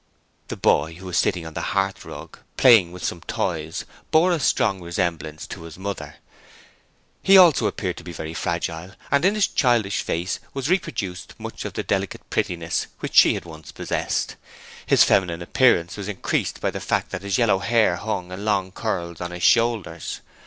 The boy, who was sitting on the hearthrug playing with some toys, bore a strong resemblance to his mother. He also, appeared very fragile and in his childish face was reproduced much of the delicate prettiness which she had once possessed. His feminine appearance was increased by the fact that his yellow hair hung in long curls on his shoulders.